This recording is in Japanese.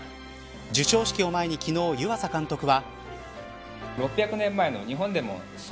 授賞式を前に昨日、湯浅監督は。